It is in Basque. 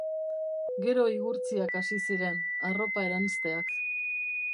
Gero igurtziak hasi ziren, arropa-eranzteak...